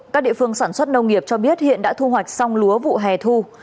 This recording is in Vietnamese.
các địa phương sản xuất nông nghiệp cho biết hiện đã thu hoạch xong lúa vụ hè thu